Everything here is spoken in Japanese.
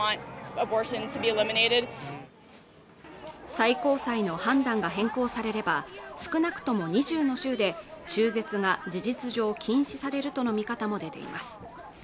最高裁の判断が変更されれば少なくとも２０の州で中絶が事実上禁止されるとの見方も出ています